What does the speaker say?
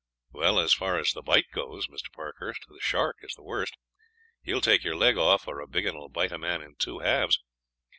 "Well, as far as the bite goes, Mr. Parkhurst, the shark is the worst. He will take your leg off, or a big 'un will bite a man in two halves.